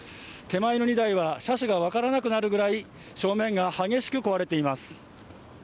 手前の２台は車種が分からなくなるぐらい正面が激しく壊れています。